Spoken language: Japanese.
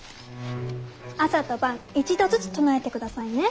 朝と晩１度ずつ唱えてくださいね。